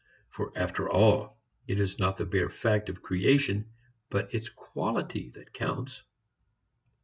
For after all it is not the bare fact of creation but its quality which counts.